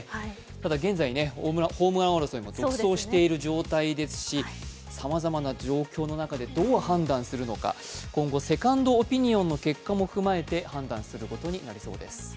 ただ現在、ホームラン王争いを独走している状態ですし、さまざまな状況の中でどう判断するのか、今後セカンドオピニオンの結果も踏まえて判断することになりそうです。